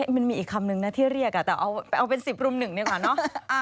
มันมีอีกคำหนึ่งนะที่เรียกแต่เอาเป็นสิบรุ่นหนึ่งดีกว่าเนอะ